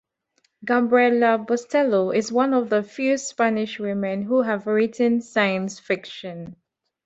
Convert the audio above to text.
Gabriela Bustelo is one of the few Spanish women who have written science fiction.